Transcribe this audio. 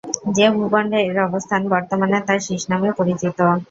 যে ভূখণ্ডে এর অবস্থান, বর্তমানে তা সীস নামে পরিচিত।